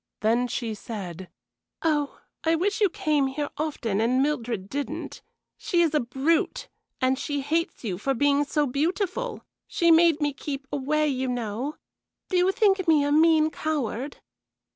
Then she said: "Oh, I wish you came here often and Mildred didn't. She is a brute, and she hates you for being so beautiful. She made me keep away, you know. Do you think me a mean coward?"